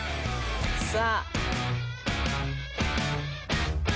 さあ。